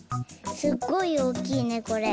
すっごいおおきいねこれ。